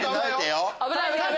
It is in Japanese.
危ない危ない。